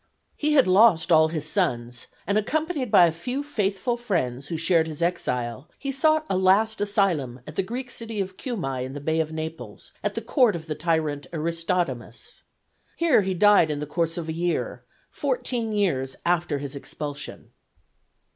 He had lost all his sons, and, accompanied by a few faithful friends, who shared his exile, he sought a last asylum at the Greek city of Cumæ in the Bay of Naples, at the court of the tyrant Aristodemus. Here he died in the course of a year, fourteen years after his expulsion.